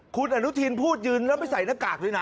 คุณอนุทินพูดยืนแล้วไม่ใส่หน้ากากด้วยนะ